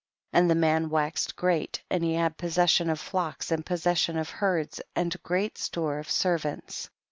15. And the man waxed great, and he had possession of flocks and possession of herds and great store of servants.